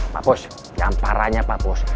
pak bos yang parahnya pak bos